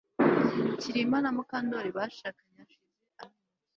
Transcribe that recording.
Kirima na Mukandoli bashakanye hashize amezi atatu